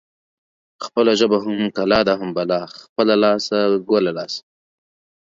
خپله ژبه هم کلا ده هم بلا. خپله لاسه ګله لاسه.